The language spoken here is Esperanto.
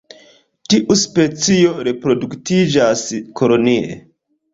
Tiu specio reproduktiĝas kolonie.